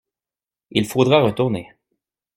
Il faudra retourner.